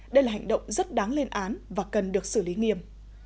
đây là hành động rất đáng lên án và cần được xử lý nghiêm